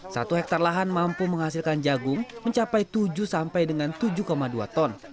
satu hektare lahan mampu menghasilkan jagung mencapai tujuh sampai dengan tujuh dua ton